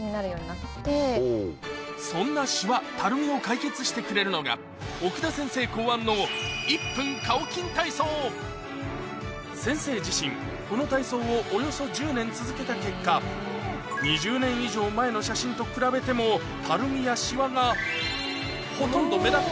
そんなシワたるみを解決してくれるのが奥田先生考案の先生自身この体操をおよそ１０年続けた結果２０年以上前の写真と比べてもたるみやシワがほとんど目立っていません